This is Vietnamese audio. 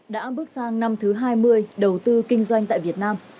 đã bước sang năm thứ hai mươi đầu tư kinh doanh tại việt nam